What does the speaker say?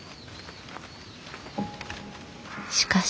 しかし。